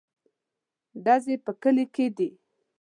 _ډزې په کلي کې دي.